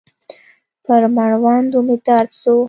پر مړوندو مې درد سو.